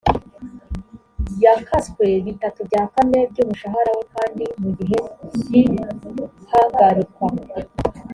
yakaswe bitatu bya kane by’umushahara we kandi mu gihe cy’ihagarikwa